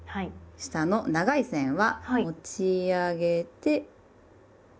下の長い線は持ち上げて下がります。